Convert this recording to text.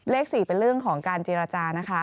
เลข๔เป็นเรื่องของการเจรจานะคะ